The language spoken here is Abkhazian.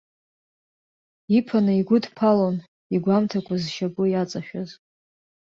Иԥаны игәыдԥалон, игәамҭакәа зшьапы иаҵашәаз.